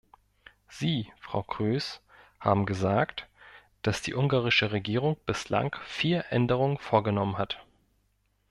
Sie, Frau Kroes, haben gesagt, dass die ungarische Regierung bislang vier Änderungen vorgenommen hat.